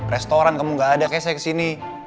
restoran kamu gak ada kayak saya kesini